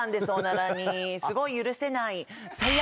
すごい許せない。